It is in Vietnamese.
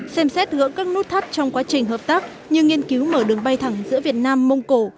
xem xét gỡ các nút thắt trong quá trình hợp tác như nghiên cứu mở đường bay thẳng giữa việt nam mông cổ